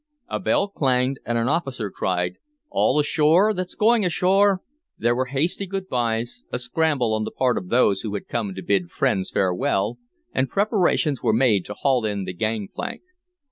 A bell clanged and an officer cried: "All ashore that's going ashore!" There were hasty good byes, a scramble on the part of those who had come to bid friends farewell, and preparations were made to haul in the gangplank.